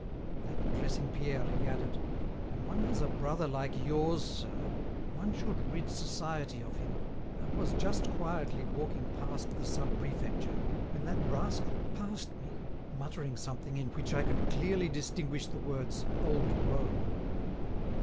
Then, addressing Pierre, he added: "When one has a brother like yours, sir, one should rid society of him. I was just quietly walking past the Sub Prefecture, when that rascal passed me muttering something in which I could clearly distinguish the words 'old rogue.